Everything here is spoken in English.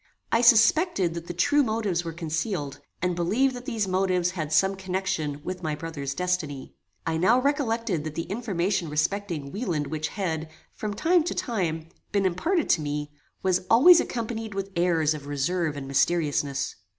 I suspected that the true motives were concealed, and believed that these motives had some connection with my brother's destiny. I now recollected that the information respecting Wieland which had, from time to time, been imparted to me, was always accompanied with airs of reserve and mysteriousness.